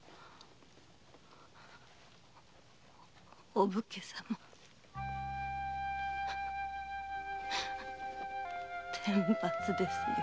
お武家様天罰ですね。